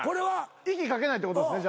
息掛けないってことですね？